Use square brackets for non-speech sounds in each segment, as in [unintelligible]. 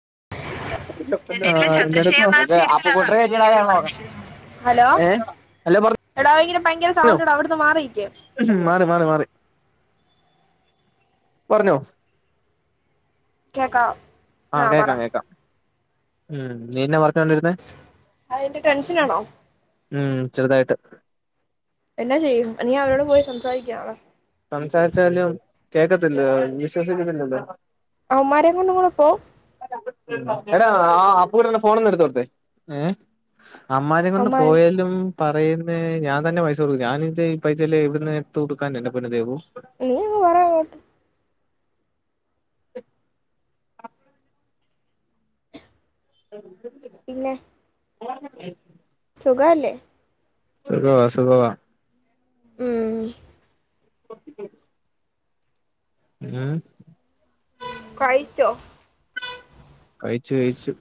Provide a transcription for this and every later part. [unintelligible] അപ്പുക്കുട്ടനെ കയറ്റി വിടാനാ ഞാ പോന്നെ ഹലോ എടാ ഇങ്ങനെ ഭയങ്കര പറഞ്ഞോ സൗണ്ട് എടാ അവ്ട്ന്ന് മാറിയിക്ക് മാറി മാറി മാറി പറഞ്ഞോ കേക്കാവോ ആ കേക്കാം കേക്കാം ഉം നിന്നെ വർ അയിൻ്റെ ടെൻഷനാണോ ഉം ചെറ്തായിട്ട് എന്നാ ചെയ്യും നീ അവരോട് പോയി സംസാരിക്ക് നാളെ സംസാരിച്ചാലും കേക്കത്തില്ല വിശ്വസിക്കുന്നില്ലല്ലോ അവമ്മാരെ കൊണ്ട്ങ്ങുടെ പോ എടാ ആ അപ്പു കുട്ടൻ്റെ ഫോൺ ഒന്ന് എടുത്ത് വെക്ക് ഏ അമ്മാരെ കൊണ്ട് അവന്മാര് പോയാലും പറയുന്നെ ഞാൻ തന്നെ പൈസ കൊട്ക്കും ഞാനിത് ഈ പൈസയെല്ലാം എവ്ട്ന്ന് എട്ത്ത് കൊട്ക്കാൻ എൻ്റെ പൊന്ന് ദേവു നീ അങ്ങ് പറ അങ്ങോട്ട് പിന്നെ [unintelligible] സുഖവല്ലേ സുഖവാ സുഖവാ ഉം [unintelligible] ഉം കഴിച്ചോ കഴിച്ചു കഴിച്ചു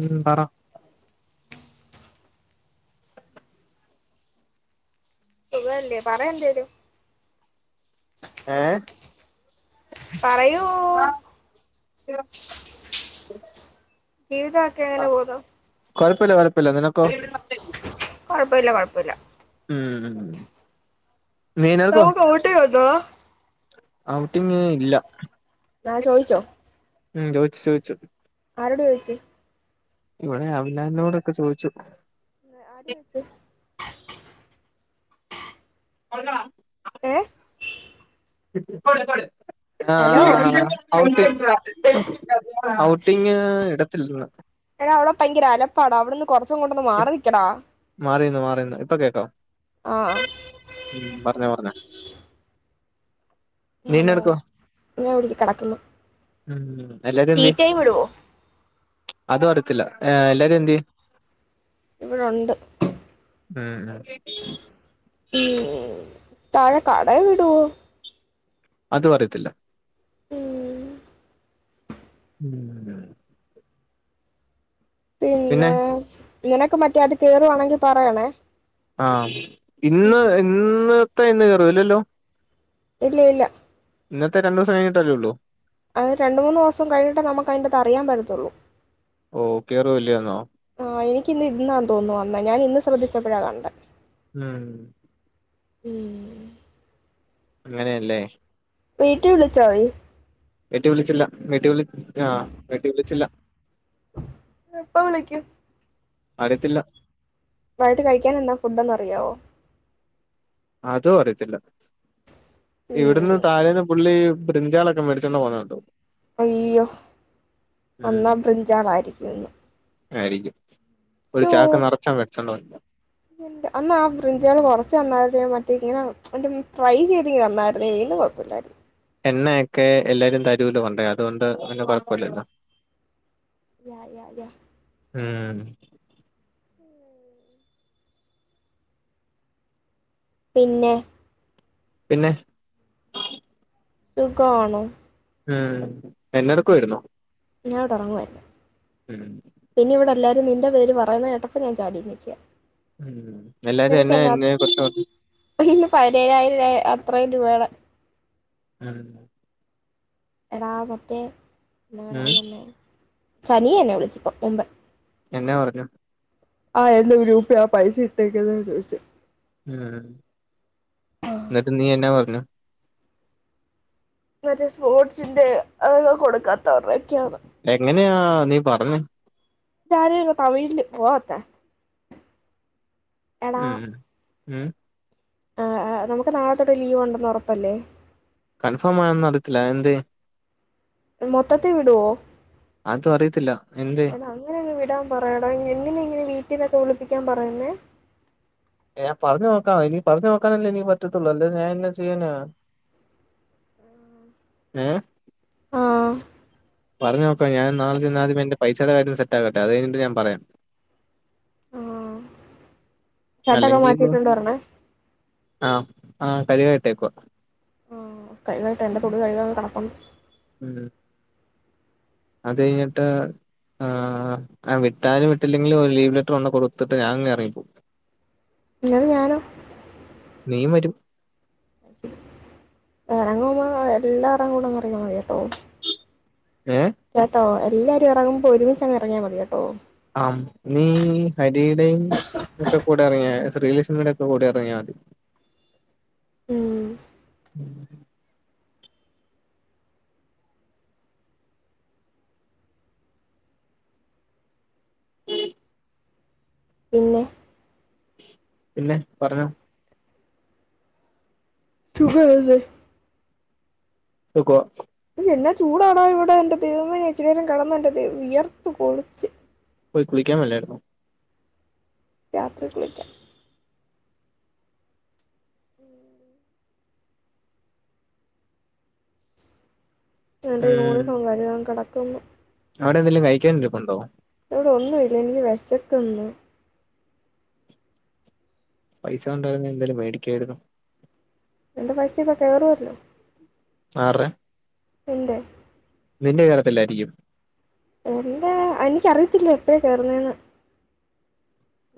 ഉം പറ സുഖവല്ലേ പറ എന്തേലും ഏ പറയൂ ആ [unintelligible] ജീവിതൊക്കെ എങ്ങനെ പോവുന്നു കൊഴപ്പയില്ല കൊഴപ്പയില്ല നിന ക്കൊ [unintelligible] കൊഴപ്പയില്ല കൊഴപ്പയില്ല ഉം മീനാൾക്കോ ബ്രോ അയുട്ടിങ് ഇല്ല ഞാ ചോയിച്ചോ ഉം ചോയ്ച്ചു ചോയ്ച്ചു ആരോട് ചോയ്ച്ച് ഇവിടെ അവിൻലാലിനോടൊക്കെ ചോയിച്ചു ആര് വെച്ച പൊണ്ണാ ഏ കൊട് കൊട് ആ ഹലോ ഔട്ടി ഔട്ടിങ് ഇടത്തില്ലിന്ന് എടാ അവിടെ ഭയങ്കര ആലപ്പാട് അവിടുന്ന് കുറച്ചങ്ങോട്ടൊന്ന് ഇപ് മാറി നിക്കടാ മാറിന്ന് മാറിന്ന് ഇപ്പൊ കേക്കോ ആഹ് ഉം പറഞ്ഞോ പറഞ്ഞോ ആണോ നീനെടുക്കോ ഞാൻ എവിടക്ക് കിടക്കുന്നു ഉം തീറ്റയും വിടുവോ അത് വറിത്തില്ല ഏ എല്ലാരും എന്തേ ഇവിടുണ്ട് ഉം ഉം ഉം താഴെ കടെ വിടുവോ അത് പറയത്തില്ല ഉം ഉം പിന്നെ നിനക്ക് മറ്റേ അത് കേറുവാണെങ്കിൽ പറയണേ ആഹ് ഇന്ന് ഉം ഇന്ന് ഇപ്പോ എന്ന് കേറുവോ ഇല്ലാല്ലോ ഇല്ല ഇല്ല ഇന്നത്തെ രണ്ട് ദിവസം കഴിഞ്ഞിട്ടല്ലേ ഉള്ളൂ ആഹ് രണ്ട് മൂന്ന് ദിവസം കഴിഞ്ഞിട്ടേ നമുക്ക് അതിന്റെത് അറിയാൻ പറ്റത്തുള്ളൂ ഓ കേറുവല്ലേന്നോ ആഹ് എനി എനിക്ക് ഇന്നാന്ന് തോന്നുന്നു വന്നേ ഞാൻ ഇന്ന് ശ്രദ്ധിച്ചപ്പോഴാ കണ്ടെ ഉം ഉം അങ്ങനെയല്ലേ വീട്ടിൽ വിളിച്ചോ നീ വീട്ടില് വിളിച്ചില്ല വീട്ടി വിളി ആഹ് വീട്ടി വിളിച്ചില്ല എപ്പ വിളിക്കും അറിയത്തില്ല വൈകിട്ട് കഴിക്കാൻ എന്താ ഫുഡന്ന് അറിയാവോ അതും അറിയത്തില്ല. ഉം ഇവിടന്ന് താഴേന്ന് പുള്ളി ബ്രിഞ്ചാൽ ഒക്കെ മേടിച്ചോണ്ട് പോകുന്നത് കണ്ടു അയ്യോ ഉം അന്നാ ബ്രിഞ്ചാളായിരിക്കും ഇന്ന് ആയിരിക്കും ഒരു ചാക്ക് നിറച്ചാണ് വെടിച്ചോണ്ട് പോയെ അന്നാ ആ ബ്രിഞ്ചാൾ കൊറച്ച് തന്നായിരുന്നേ മറ്റേ ഇങ്ങനെ മറ്റേ ഫ്രൈ ചെയ്ത് ഇങ്ങ് തന്നായിരുന്നെങ്കിലും കൊഴപ്പമില്ലായിരുന്നു. എണ്ണ യഹ് യഹ് യഹ് ഉം പിന്നെ പിൻ സുഖാണോ ഉം എന്നെടുക്കുവാര്ന്നൊ ഞാവടെ ഒറങ്ങുവായ്രുന്നു പിന്നെ ഇവിടെ നിന്റെ പേര് പറയുന്ന കേട്ടപ്പോ ഞാൻ ചാടി എണീച്ചെയാ ഉം എല്ലാരും എന്നെ എന്നെ കുറിച്ച് പ പതിനേഴായിരം അത്രയും രൂപേടെ ഉം എടാ മറ്റേ ഉം [unintelligible] സനിയ എന്നെ ഇപ്പോ വിളിച്ചു തൊട്ട് മുമ്പേ. എന്നാ പറഞ്ഞു? ആ [unintelligible] പൈസ ഇട്ടേക്കിന്നേ ചോദിച്ചു. ഉം എന്നിട്ട് നീ എന്നാ പ [unintelligible] മറ്റേ സ്പോർട്സിന്റെ ആഹ് കൊടുക്കാത്തവരുടെ എങ്ങനെയാ ആ നീ പറഞ്ഞു. ഇതാര് തമിഴിൽ പോ [unintelligible] ഉം ഉം ആ നമുക്ക് നാളെ തൊട്ട് ലീവ് ഉണ്ടെന്ന് ഉറപ്പല്ലേ? കൺഫോം ആയോന്ന് അറിയത്തില്ല എന്തേ? മൊത്തത്തീ വിടുവോ? അതും അറിയത്തില്ല എന്തേ എടാ അങ്ങനെ അങ്ങ് വിടാൻ പറയടാ ഞ്ഞ് എന്തിന് ഇങ്ങനെ വീട്ടിന്നൊക്കെ വിളിപ്പിക്കാൻ പറയുന്നേ ഏ പറഞ്ഞു നോക്കാ എനി പറഞ്ഞു നോക്കാനല്ലേ എനി പറ്റത്തുള്ളൂ അല്ല ഞാന് എന്നാ ചെയ്യാനാ ഏ ആ ത്യടെ കാര്യം സെറ്റാക്കട്ടെ അത് കഴിഞ്ഞിട്ട് ഞാൻ പറയാ ആ ഷട്ടൊക്കെ അല്ലെങ്കിൽ ഇപ്പൊ മാറ്റിട്ടോണ്ട് വരണേ ആഹ് ആ കഴുകാൻ ഇട്ടേക്കുവാ മ് കഴുക്കാനിട്ടൊ എന്റെ തൊടു കഴുകാൻ കെടപ്പുണ്ട് ഉം അത് കഴിഞ്ഞിട്ട് ആ ആ വിട്ടാലും വിട്ടില്ലെങ്കിലും ഒരു ലീവ് ലെറ്റർ കൊണ്ട് കൊടുത്തിട്ട് ഞാനിങ്ങ് എറങ്ങിപ്പോവും അന്നേരം ഞാനോ നീയും വരും എറങ്ങുമ്പോ എല്ലാരേം കൂടെ അങ്ങ് ഇറങ്ങിയാൽ മതി കേട്ടോ ഏഹ് കേട്ടോ എ ല്ലാരും ഇറങ്ങുമ്പോ ഒരുമിച്ച് അങ്ങ് ഇറങ്ങിയാ മതി കേട്ടോ ആം നീ ഹരിയുടെയും ഒക്കെ കൂടെ ഇറങ്ങാ ശ്രീലക്ഷ്മണിയുടെ ഒക്കെ കൂടെ ഇറങ്ങാതി ഉം പിന്നെ പിന്നെ പറഞ്ഞോ സുഖവല്ലേ സുഖവാ എന്നാ ചൂടാട ഇവിടെ എന്റെ ദൈവമേ ഞാൻ ഇച്ചിരി നേരം കെടന്ന് എൻ്റെ ദൈവ വിയർത്ത് കൊളിച്ച് പോയി കുളിക്കാൻ മേലായിരുന്നൊ രാത്രി കുളിക്കാം ഉം എന്റെ ഉം യൂണിഫോം കഴുകാൻ കിട ക്കുന്നു അവിടെ എന്തെലും കഴിക്കാൻ ഇരിപ്പുണ്ടോ? ഇവിടെ ഒന്നും ഇല്ല എനിക്ക് വെശക്കുന്ന് പൈസ ഉണ്ടായിരുന്ന എന്തേലും മേടിക്കായിരുന്നു. എന്റെ പൈസ ഇപ്പ തീർന്നല്ലോ ആർറെ എൻ്റെ നിന്റെ കഴപ്പില്ലായിരിക്കും എന്താ എനിക്കറിയത്തില്ല എപ്പഴ കേറുന്നേ എന്ന്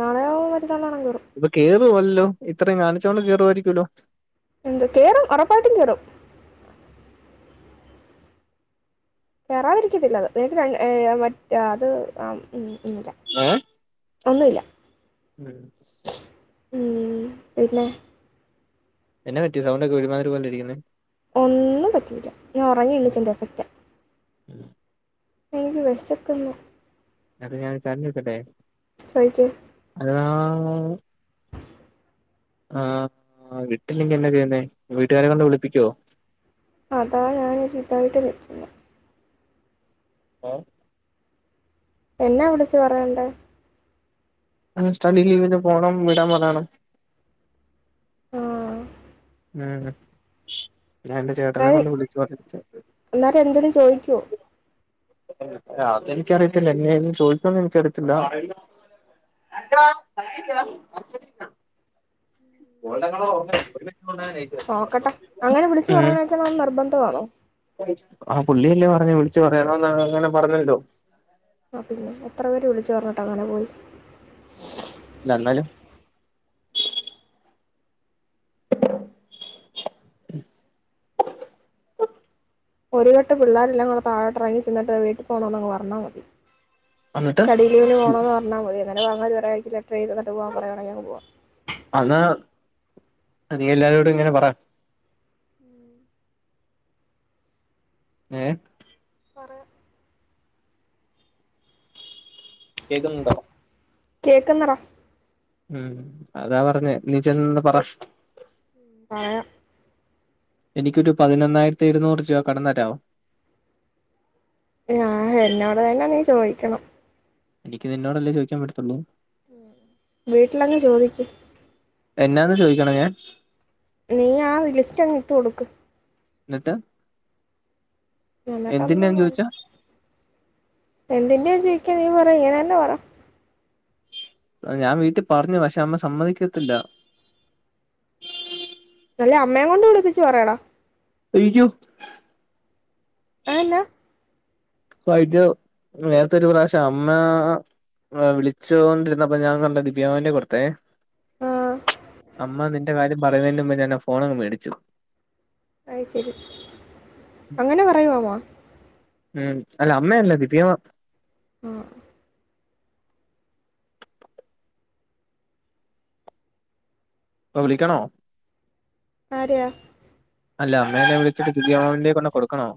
നാളെയോ മ റ്റന്നാണെകേറും റുവല്ലോ ഇത്രയും കാണിച്ചോണ്ട് കേറുവായിരിക്കൂല്ലോ എന്ത് കേറും ഉറപ്പായിട്ടും കേറും കേറാതിരിക്കത്തില്ല അത് ഏഴ് ര ഏഴാ മറ്റാ അത് ആം ഉം ഏ ഉം ഉം പിന്നെ എന്ന പറ്റി സൗണ്ട് ഒക്കെ ഒരുമാതിരി പോലെ ഇരിക്കുന്നേ ഒന്നും പറ്റില്ല ഞാൻ ഉറങ്ങി എണിച്ചൻ്റെ എന്റെ എഫക്റ്റ ഉം എനിക്ക് വെശക്കുന്നു അത് ഞാൻ ഒരു കാര്യം ചോദിക്കട്ടെ ചോദിക്ക് അതാ ഉം ആഹ് വിട്ടില്ലെങ്ക എന്നാ ചെയ്യുന്നേ വീട്ടുകാരെ കൊണ്ട് വിളിപ്പിക്കുവോ അതാ ഞാനൊരി ഇതായിട്ട് വെക്കുന്നത് ഏഹ് എന്നാ വിളിച്ചു പറയണ്ടേ അ സ്റ്റഡി ലീവിന് പോണം വിടാൻ പറയണം. ആ ഉം ഞാൻ എന്റെ ചേട്ടനെ പ്പേരി കൊണ്ട് വിളിച്ചു പറഞ്ഞിട്ട് എല്ലാരും എന്തേലും ചോയിക്കോ അത് എനിക്കറിയത്തില്ല എന്നേലും ചോദിക്കോന്ന് എനിക്ക് അറിയത്തില്ല [unintelligible] ഗോർഡൻ കളർ [unintelligible] നോക്കട്ടെ അങ്ങനെ വിളിച്ച് ഉം പറഞ്ഞേക്കണമെന്ന് നിർബന്ധമാണോ ആ പുള്ളിയല്ലേ പറഞ്ഞേ വിളിച്ചു പറയണോന്ന് അങ്ങനെ പറഞ്ഞല്ലോ ആ പിന്നെ എത്ര പേര് വിളിച്ചു പറഞ്ഞിട്ട് അങ്ങനെ പോയി ല്ല അന്നാലും ഒരു വട്ടം പിള്ളേരെല്ലാം കൂടെ താഴോട്ട് ഇറങ്ങി ചെന്നിട്ട് വീട്ടിൽ പോണോന്ന് അങ്ങ് പറഞ്ഞാൽ മതി വന്നിട്ട് ചടിയിലേന്ന് പോണോന്ന് പറഞ്ഞാൽ മതിയ അന്നേരം [unintelligible] പറയായിരിക്കില്ല ട്രേ തന്നിട്ട് പോവാൻ പറയാണെങ്കിൽ അങ്ങ് പോവാം അ നീ എല്ലാരോടും ഇങ്ങനെ പറ ഏ പറയാം കേക്കുന്നുണ്ടോ കേക്കുന്നറാ ഉം അതാ പറഞ്ഞേ നീചെന്നൊന്ന് പറ പറയാം എനിക്കൊരു പതിനൊന്നായിരത്തി ഇഴുന്നൂറിരൂപ കടംതരാവോ ആ എന്നോട് തന്നെ നീ ചോയിക്കണം എനിക്ക് നിന്നോടല്ലേ ചോയിക്കാൻ പറ്റത്തുള്ളൂ ഉം വീട്ടിലങ്ങ് ചോദിക്ക് എന്നാന്ന് ചോയിക്കണംഞാൻ നീ ആ ലിസ്റ്റ് അങ്ങ് ഇട്ടുകൊടുക്ക് ഇന്നട്ട് എന്നിട്ടൊന്നും വേണ്ട ചോദിച്ചാ എന്തിന്റെ യാ ജി [unintelligible] പറ ഇങ്ങനെന്നെ പറ ഞാൻ വീട്ടിൽ പറഞ്ഞു പക്ഷെ അമ്മ സമ്മതിക്കത്തില്ല അല്ലേ അമ്മേം കൊണ്ട് വിളിപ്പിച്ച് പറയടാ അയ്യൊ അ എന്നാ ഫൈൻനൗവ് നേരത്തൊരു പ്രാവശ്യം അമ്മാ വിളിച്ചോണ്ടിരുന്നപ്പ ഞാൻ കണ്ട ദിവ്യമ്യാമ്ന്റെ കൊടുത്തെ ആ അമ്മ നിന്റെ കാര്യം പറയുന്നേൻ്റുമുമ്പേ ഞാനാ ഫോണങ്ങ് മേടിച്ചു അയ്ശരി അങ്ങനെ പറയോ അമ്മ ഉം അല്ല അമ്മയല്ല ദിവ്യാമാം ആ ഇപ്പവിളിക്കണോ ആരെയാ അല്ല അമ്മേനെ വിളിച്ചിട്ട് ദിവ്യാമാംമിന്റെ കൊണ്ടേകൊടുക്കണോ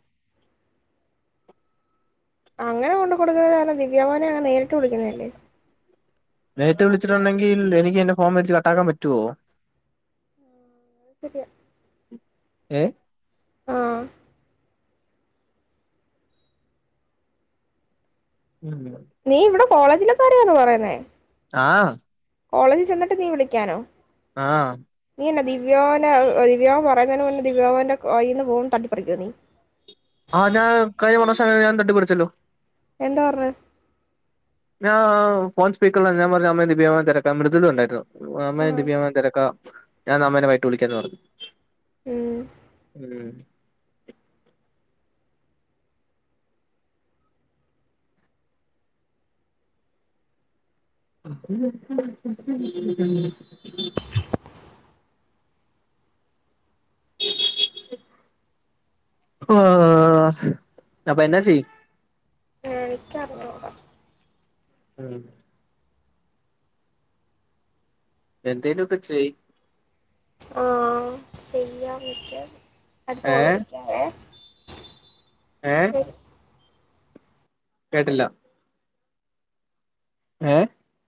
അങ്ങനെ കൊണ്ട് കൊടുക്കണേകാലും ദിവ്യമാംമിനെയങ്ങ് നേരിട്ട് വിളിക്കുന്നല്ലേ നേരിട്ട് വിളിച്ചിട്ടുണ്ടെങ്കിൽ എനിക്ക് എന്റെ ഫോൺ മേച്ച് കട്ടാക്കാൻ പറ്റുവോ അത്ശരിയാ ഏ ആ [unintelligible] നീ ഇവിടെ കോളേജിലെക്കാര്യാന്നോ പറയുന്നേ ആ കോളേജ് ചെന്നിട്ട് നീ വിളിക്കാനോ ആ നീയെന്ന ദിവ്യോന ദിവ്യാമ് പറയുന്നെനു മുന്നേ ദിവ്യമാമ്ന്റെ കൈയീന്ന് ഫോൺ തട്ടിപ്പറിക്കോ നീ ആ ഞാൻ കഴിഞ്ഞ മൂണോസം ഞാൻ തട്ടിപ്പറിച്ചല്ലോ എന്താ പറഞ്ഞെ ഞാ ഫോൺ സ്പീക്കറി [unintelligible] ഞാൻ പറഞ്ഞു അമ്മേ ദിവ്യാമാം തെരക്കാ മൃദ്ലൂണ്ടായിരുന്നു അമ്മേ ആഹ് ദിവ്യാമാം തെരക്കാ ഞാൻ അമ്മേനെ വൈട്ട് വിളിക്കാന്ന് പറഞ്ഞു ഉം ഉം [unintelligible] ആ അപ്പ എന്നാ ചെയ്യും എനിക്കറിഞ്ഞൂടാ ഉം എന്തേലൊക്കെ ചെയ് ചെയ്യാംനിക്ക് അടുത്തോള് വിളിക്കാവേ ഏ ശരി കേട്ടില്ല ഏ